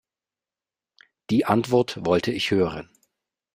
Die Antwort wollte ich hören.